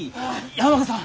山賀さん